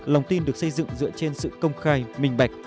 lòng tin được xây dựng dựa trên sự công khai minh bạch